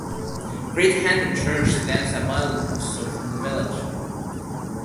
Great Hampden church stands a mile or so from the village.